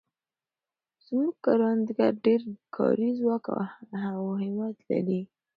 زموږ کروندګر ډېر کاري ځواک او همت لري.